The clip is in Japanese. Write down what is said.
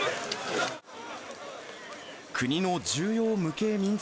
国の重要無形民俗